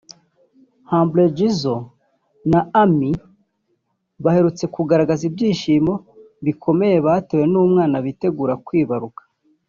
Humble Jizzo na Amy baherutse kugaragaza ibyishimo bikomeye batewe n’umwana bitegura kwibaruka